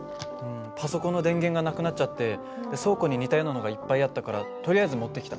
パソコンの電源がなくなっちゃって倉庫に似たようなのがいっぱいあったからとりあえず持ってきた。